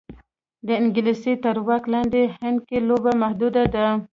د انګلیس تر واک لاندې هند کې لوبه محدوده ده.